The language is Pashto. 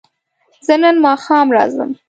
زه نن ماښام راځم